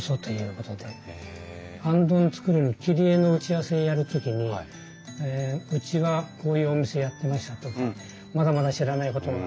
行灯を作るのに切り絵の打ち合わせをやる時にうちはこういうお店やってましたとかまだまだ知らないことが勉強になります。